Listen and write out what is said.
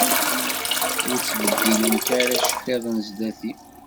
Ur ttbeddilent ara iceṭṭiḍen sdat-i.